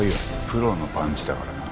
プロのパンチだからな。